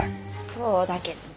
そうだけど。